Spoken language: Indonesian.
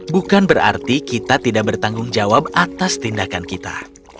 bukan berarti kita tidak bertanggung jawab atas tindakan kita